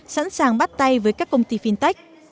sẵn sàng bắt tay với các công ty fintech